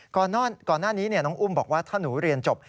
ก่อนหน้านี้น้องอุ้มบอกว่าถ้าหนูเรียนจบ